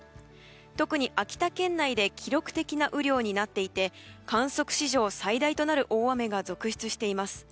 特に秋田県内で記録的な雨量になっていて観測史上最大となる大雨が続出しています。